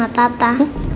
aku mau bicara sama papa